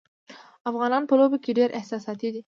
افغانان په لوبو کې ډېر احساساتي دي.